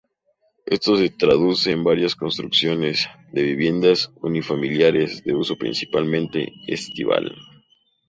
Esto se traduce en varias construcciones de viviendas unifamiliares de uso, principalmente, estival.